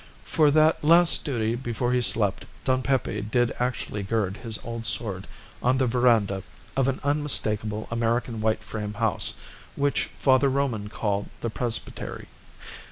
For that last duty before he slept Don Pepe did actually gird his old sword on the verandah of an unmistakable American white frame house, which Father Roman called the presbytery.